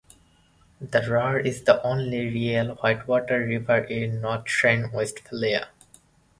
The Rur is the only real white water river in Northrhine-Westfalia.